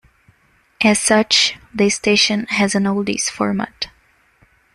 As such, the station has an oldies format.